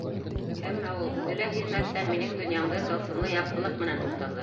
Әммә ул үҙе лә һиҙмәҫтән минең донъямды тылсымлы яҡтылыҡ менән тултырҙы.